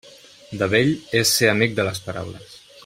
De vell és ser amic de les paraules.